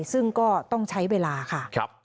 ซึ่งก็ต้องใช้เวลาค่ะ